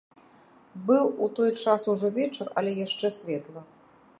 Быў у той час ужо вечар, але яшчэ светла.